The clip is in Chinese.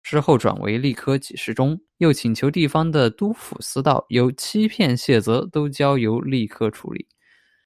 之后转为吏科给事中，又请求地方的督抚司道有欺骗卸责都交由吏科处理。